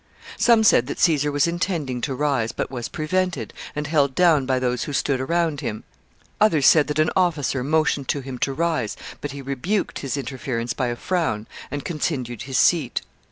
Some said that Caesar was intending to rise, but was prevented, and held down by those who stood around him. Others said that an officer motioned to him to rise, but he rebuked his interference by a frown, and continued his seat.